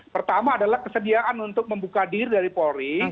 pertama adalah kesediaan untuk membuka diri dari polri